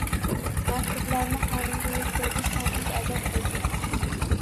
Maktublarni xonimga yetkazish ham it azob bo’lgan.